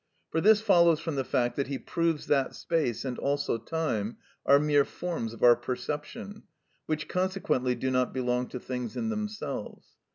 For this follows from the fact that he proves that space, and also time, are mere forms of our perception, which consequently do not belong to things in themselves.